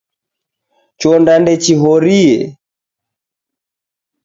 Chonda ndechihorie.